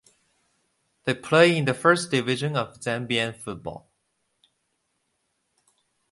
They play in the first division of Zambian football.